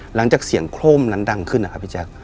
หลังจากเสียงโคร่มนั้นดังขึ้นนะครับพี่แจ๊ค